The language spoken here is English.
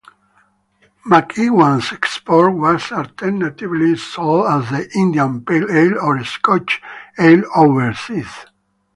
McEwan's Export was alternatively sold as India Pale Ale or Scotch Ale overseas.